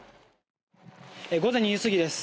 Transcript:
午前２時過ぎです。